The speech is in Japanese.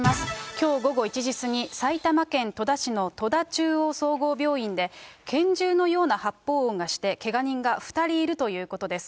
きょう午後１時過ぎ、埼玉県戸田市の戸田中央総合病院で、拳銃のような発砲音がして、けが人が２人いるということです。